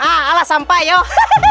ah ala sampah yuk